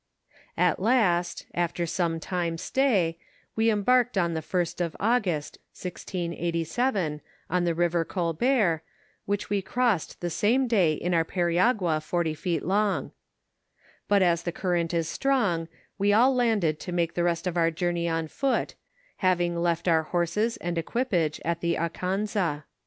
At last, after some time stay, we embarked on the 1st of August, 1687, on the river Colbert, which we crossed the same day in our periagua forty feet long ; but as the current is strong, we all landed to make the rest of our journey on foot, having left our horses and equipage at the Akansa.